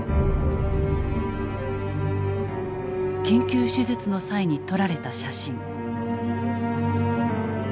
緊急手術の際に撮られた写真。